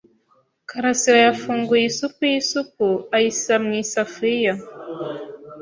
Karasirayafunguye isupu yisupu ayisiba mu isafuriya.